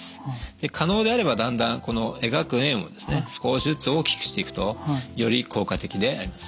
で可能であればだんだんこの描く円を少しずつ大きくしていくとより効果的であります。